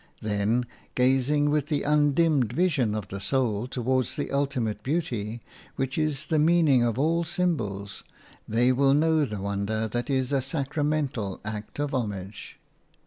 Then, gazing with the undimmed vision of the soul toward the ultimate Beauty, which is the meaning of all symbols, they will know the wonder that is a sacramental act of homage.